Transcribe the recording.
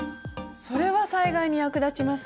それは災害に役立ちますね。